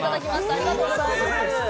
ありがとうございます。